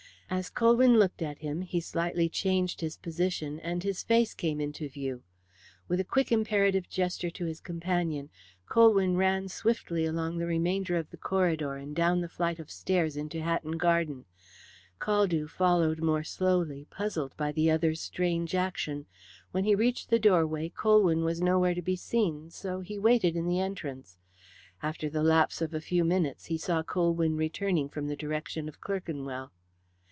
As Colywn looked at him he slightly changed his position and his face came into view. With a quick imperative gesture to his companion, Colwyn ran swiftly along the remainder of the corridor and down the flight of stairs into Hatton Garden. Caldew followed more slowly, puzzled by the other's strange action. When he reached the doorway Colwyn was nowhere to be seen, so he waited in the entrance. After the lapse of a few minutes he saw Colwyn returning from the direction of Clerkenwell.